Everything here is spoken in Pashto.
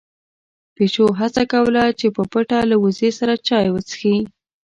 پيشو هڅه کوله چې په پټه له وزې سره چای وڅښي.